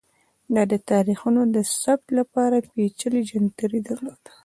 دا د تاریخونو د ثبت لپاره پېچلی جنتري درلوده